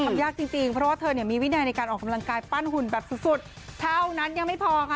ทำยากจริงเพราะว่าเธอเนี่ยมีวินัยในการออกกำลังกายปั้นหุ่นแบบสุดเท่านั้นยังไม่พอค่ะ